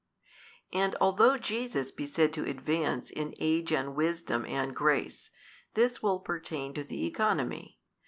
And although Jesus be said to advance in age and wisdom and grace, this will pertain to the economy.